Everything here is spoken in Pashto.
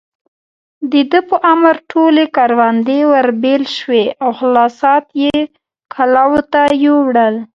د ده په امر ټولې کروندې ورېبل شوې او حاصلات يې کلاوو ته يووړل.